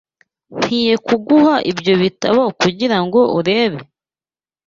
Nkwiye kuguha ibyo bitabo kugirango urebe?